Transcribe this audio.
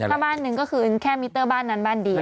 ถ้าบ้านหนึ่งก็คือแค่มิเตอร์บ้านนั้นบ้านเดียว